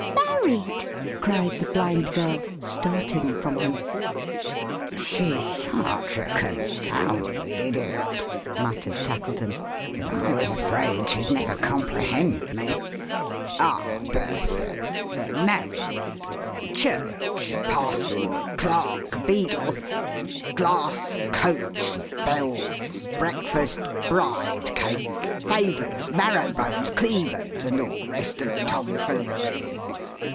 "Married!" cried the Blind Girl, starting from him. "She's such a con founded idiot," muttered Tackleton, "that I was afraid she'd never comprehend me. Ah, Bertha! Married! Church, parson, clerk, beadle, glass coach, bells, breakfast, bride cake, favours, marrow bones, cleavers, and all the rest of the tom foolery.